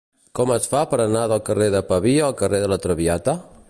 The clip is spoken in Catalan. Com es fa per anar del carrer de Pavia al carrer de La Traviata?